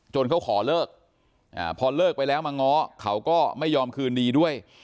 เขาขอเลิกพอเลิกไปแล้วมาง้อเขาก็ไม่ยอมคืนดีด้วย